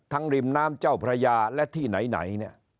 ริมน้ำเจ้าพระยาและที่ไหนเนี่ย